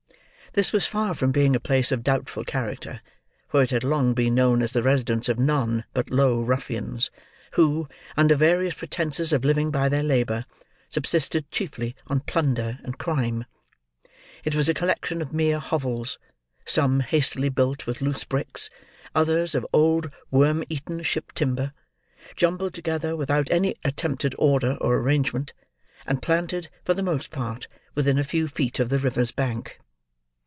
This was far from being a place of doubtful character; for it had long been known as the residence of none but low ruffians, who, under various pretences of living by their labour, subsisted chiefly on plunder and crime. It was a collection of mere hovels: some, hastily built with loose bricks: others, of old worm eaten ship timber: jumbled together without any attempt at order or arrangement, and planted, for the most part, within a few feet of the river's bank.